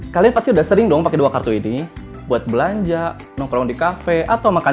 kalian pasti udah sering dong pakai dua kartu ini buat belanja nongkrong di kafe atau makan